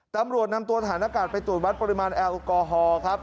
ตำรวจนำตัวฐานอากาศไปตรวจวัดปริมาณแอลกอฮอล์ครับ